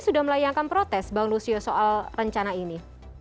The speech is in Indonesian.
sudah melayangkan protes bang lusius soal rencana ini